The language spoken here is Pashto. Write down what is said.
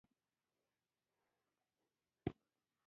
د ایران سیاست پیچلی دی.